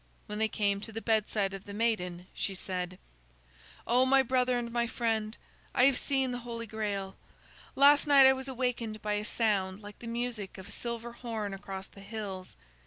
When they came to the bedside of the maiden, she said: "Oh, my brother and my friend, I have seen the Holy Grail. Last night I was awakened by a sound like the music of a silver horn across the hills.